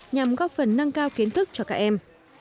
nhằm góp phần nâng cao kiến thức cho các em